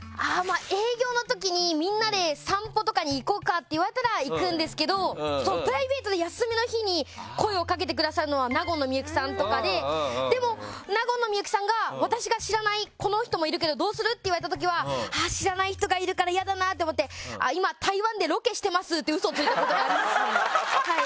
営業の時にみんなで散歩とかに行こうかって言われたら行くんですけどプライベートで休みの日に声をかけてくださるのは納言の薄幸さんとかででも、納言の薄幸さんが私が知らないこの人もいるけどどうする？って言われた時は知らない人がいるから嫌だなあって思って今、台湾でロケしてますって嘘ついたことがあります、はい。